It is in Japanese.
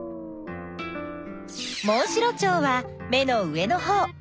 モンシロチョウは目の上のほう。